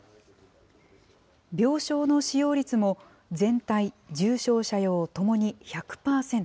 病床の使用率も、全体、重症者用ともに１００％。